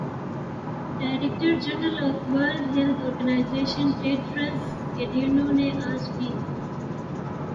director general of World Health Organization Tedros اڈینو نے آج کہ